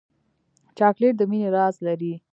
چاکلېټ د مینې راز لري.